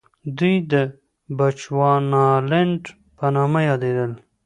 دوی د بچوانالنډ په نامه یادېدل.